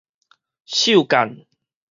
獸姦